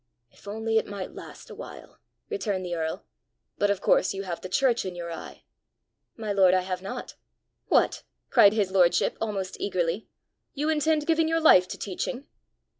"If only it might last a while!" returned the earl. "But of course you have the church in your eye!" "My lord, I have not." "What!" cried his lordship almost eagerly; "you intend giving your life to teaching?"